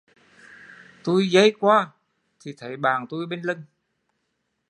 Tui day qua thì thấy bạn tui bên lưng